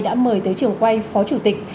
đã mời tới trường quay phó chủ tịch